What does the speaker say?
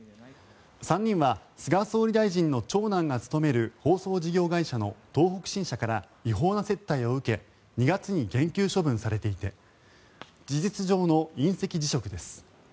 ３人は菅総理大臣の長男が勤める放送事業会社の東北新社から違法な接待を受け２月に減給処分されていて事実上の引責辞職です。